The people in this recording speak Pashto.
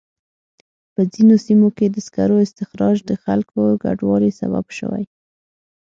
په ځینو سیمو کې د سکرو استخراج د خلکو د کډوالۍ سبب شوی.